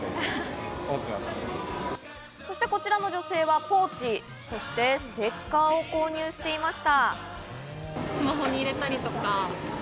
そして、こちらの女性はポーチ、そしてステッカーを購入していました。